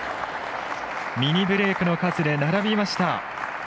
ミニブレークの数で並びました。